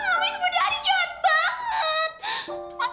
ami sebenarnya jahat banget